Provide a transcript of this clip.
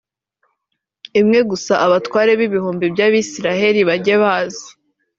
imwe gusa abatware b ibihumbi by abisirayeli bajye baza